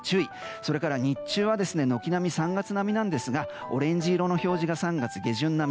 そして日中は軒並み３月並みなんですがオレンジ色の表示が３月下旬並み。